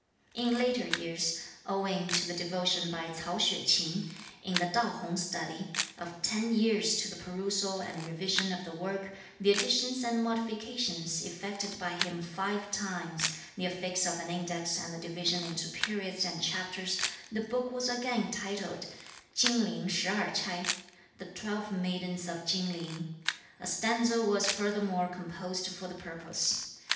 In later years, owing to the devotion by Tsao Hsüeh ch'in in the Tao Hung study, of ten years to the perusal and revision of the work, the additions and modifications effected by him five times, the affix of an index and the division into periods and chapters, the book was again entitled "Chin Ling Shih Erh Ch'ai," "The Twelve Maidens of Chin Ling." A stanza was furthermore composed for the purpose.